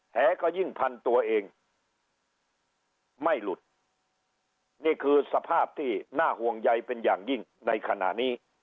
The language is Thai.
แหก็ยิ่งพันตัวเองไม่หลุดนี่คือสภาพที่น่าห่วงใยเป็นอย่างยิ่งในขณะนี้